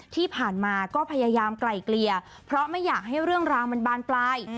ที่ผ่านมาก็พยายามไกลเกลี่ยเพราะไม่อยากให้เรื่องราวมันบานปลาย